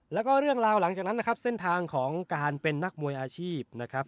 แล้วก็เรื่องราวหลังจากนั้นนะครับเส้นทางของการเป็นนักมวยอาชีพนะครับ